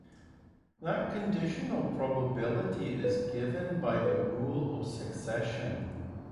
That conditional probability is given by the rule of succession.